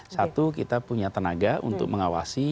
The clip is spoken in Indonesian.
satu kita punya tenaga untuk mengawasi